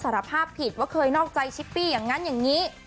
สารภาพผิดว่าเคยนอกใจชิปปี้อย่างนั้นอย่างนี้